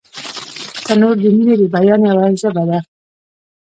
تنور د مینې د بیان یوه ژبه ده